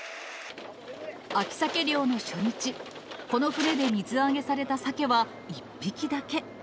秋サケ漁の初日、この船で水揚げされたサケは１匹だけ。